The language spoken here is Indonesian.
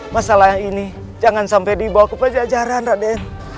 masalah ini jangan sampai dibawa ke penjajaran raden